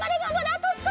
あとすこし。